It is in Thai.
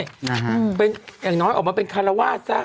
อย่างน้อยออกมาเป็นคาราวาส